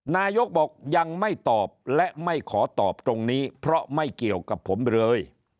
นายกบอกยังไม่ตอบและไม่ขอตอบตรงนี้เพราะไม่เกี่ยวกับผมเลย